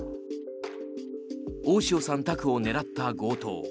大塩さん宅を狙った強盗